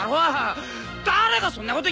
誰がそんなこと言ったんだよ？